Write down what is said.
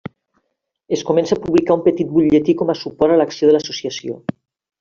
Es comença a publicar un petit butlletí com a suport a l'acció de l'Associació.